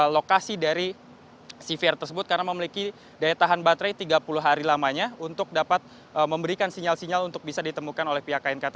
lokasi dari sivir tersebut karena memiliki daya tahan baterai tiga puluh hari lamanya untuk dapat memberikan sinyal sinyal untuk bisa ditemukan oleh pihak knkt